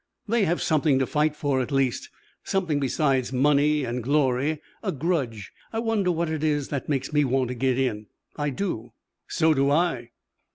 "They have something to fight for, at least. Something besides money and glory. A grudge. I wonder what it is that makes me want to get in? I do." "So do I."